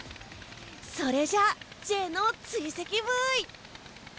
それじゃ、Ｊの追跡ブイ！